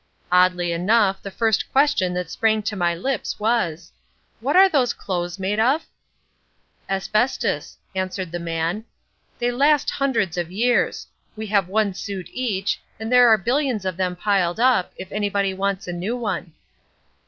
Oddly enough the first question that sprang to my lips was— "What are those clothes made of?" "Asbestos," answered the man. "They last hundreds of years. We have one suit each, and there are billions of them piled up, if anybody wants a new one."